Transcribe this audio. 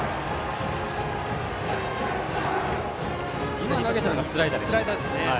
今投げたのはスライダーでしたね。